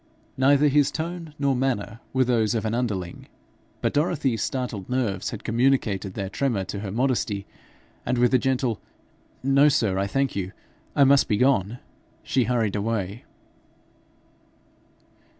Neither his tone nor manner were those of an underling, but Dorothy's startled nerves had communicated their tremor to her modesty, and with a gentle 'No, sir, I thank you; I must be gone,' she hurried away.